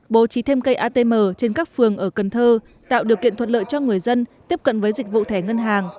bố trí thêm cây atm trên các phường ở cần thơ tạo điều kiện thuận lợi cho người dân tiếp cận với dịch vụ thẻ ngân hàng